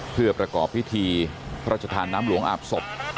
เพื่อประกอบพิธีพระราชทานน้ำหลวงอาบศพ